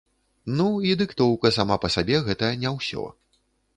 Ну, і дыктоўка сама па сабе гэта не ўсё.